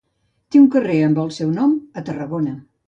Té un carrer amb el seu nom a Tarragona.